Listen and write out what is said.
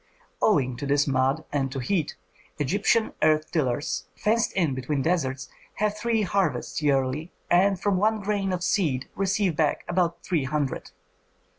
Owing to this mud and to heat, Egyptian earth tillers, fenced in between deserts, have three harvests yearly and from one grain of seed receive back about three hundred.